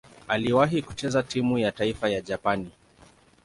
Aliwahi kucheza timu ya taifa ya Japani.